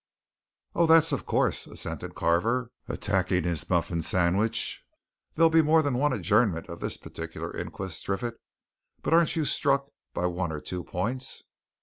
"Oh, that's of course," assented Carver, attacking his muffin sandwich. "There'll be more than one adjournment of this particular inquest, Triffitt. But aren't you struck by one or two points?"